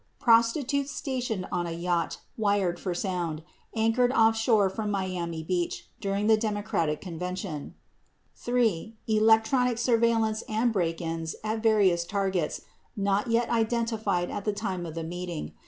Prostitutes stationed on a yacht, wired for sound, anchored offshore from Miami Beach during the Democratic convention; 3. Electronic surveillance and break ins at various targets not yet identified at the time of the meeting.